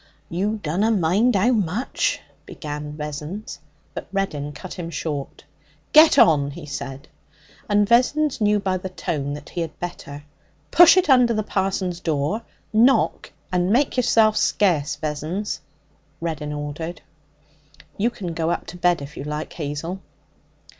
'You dunna mind how much ' began Vessons. But Reddin cut him short. 'Get on,' he said, and Vessons knew by the tone that he had better. 'Push it under the parson's door, knock, and make yourself scarce, Vessons,' Reddin ordered. 'You can go up to bed if you like, Hazel.'